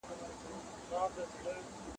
تاسو باید هره ورځ تمرین وکړئ.